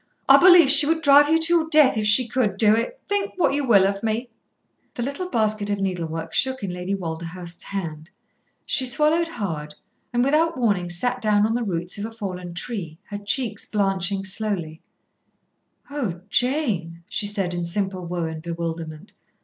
"I believe she would drive you to your death if she could do it, think what you will of me." The little basket of needlework shook in Lady Walderhurst's hand. She swallowed hard, and without warning sat down on the roots of a fallen tree, her cheeks blanching slowly. "Oh Jane!" she said in simple woe and bewilderment.